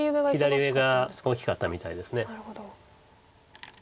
左上が大きかったみたいです。